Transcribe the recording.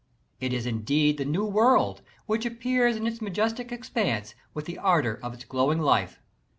It is, indeed, the New World, which appears in its majestic expanse, with the ardor of its glowing life.